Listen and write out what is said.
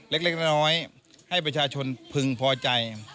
เล็กน้อยให้ประชาชนพึงพอใจ